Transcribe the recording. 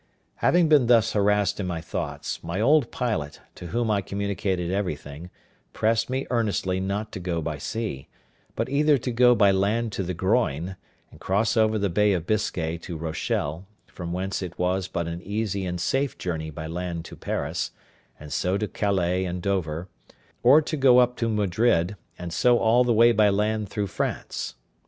Having been thus harassed in my thoughts, my old pilot, to whom I communicated everything, pressed me earnestly not to go by sea, but either to go by land to the Groyne, and cross over the Bay of Biscay to Rochelle, from whence it was but an easy and safe journey by land to Paris, and so to Calais and Dover; or to go up to Madrid, and so all the way by land through France.